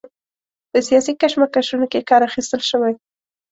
په سیاسي کشمکشونو کې کار اخیستل شوی.